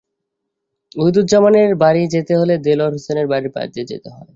ওহিদুজ্জামানের বাড়ি যেতে হলে দেলোয়ার হোসেনের বাড়ির পাশ দিয়ে যেতে হয়।